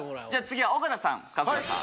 次は尾形さん春日さん